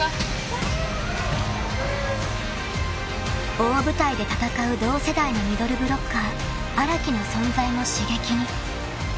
［大舞台で戦う同世代のミドルブロッカー荒木の存在も刺激に］